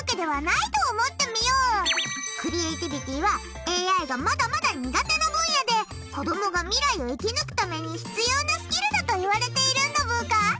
クリエーティビティはＡＩがまだまだ苦手な分野で子供が未来を生き抜くために必要なスキルだといわれているんだブーカ。